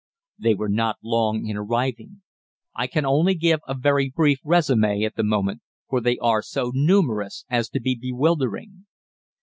"They were not long in arriving. I can only give a very brief résumé at the moment, for they are so numerous as to be bewildering.